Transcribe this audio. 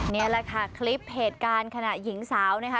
นี่แหละค่ะคลิปเหตุการณ์ขณะหญิงสาวนะคะ